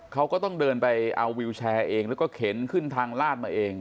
เขาก็ต้องเดินไปเอาวิวแชร์เองแล้วก็เข็นขึ้นทางลาดมาเอง